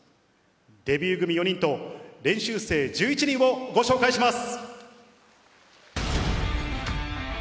デビュー組４人と練習生１１人をご紹介します。